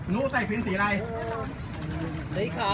นู้ใส่พิมพ์สีขาว